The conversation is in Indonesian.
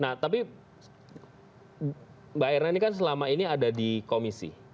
nah tapi mbak erna ini kan selama ini ada di komisi